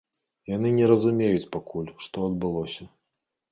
Яны не разумеюць пакуль, што адбылося.